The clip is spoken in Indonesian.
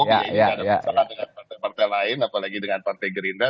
tidak ada masalah dengan partai partai lain apalagi dengan partai gerindra